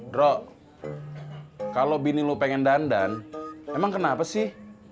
dro kalau bini lo pengen dandan emang kenapa sih